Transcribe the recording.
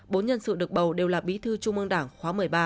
bốn nhân sự được bầu đều là bí thư trung ương đảng khóa một mươi ba